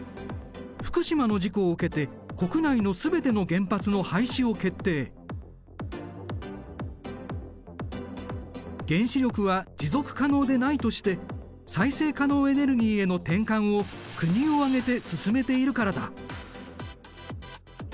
福島の事故を受けて原子力は持続可能でないとして再生可能エネルギーへの転換を国を挙げて進めているからだ。